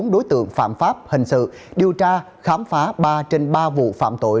bốn mươi bốn đối tượng phạm pháp hình sự điều tra khám phá ba trên ba vụ phạm tội